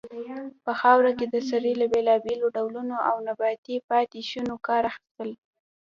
په خاوره کې د سرې له بیلابیلو ډولونو او نباتي پاتې شونو کار اخیستل.